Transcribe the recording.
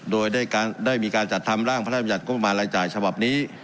โดยได้มีการจัดทำร่างพระราชบัญญัติงบประมาณรายจ่ายฉบับนี้